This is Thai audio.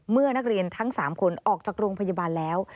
เมื่อนักเรียนทั้ง๓คนออกจากโรงพยาบาลแล้ว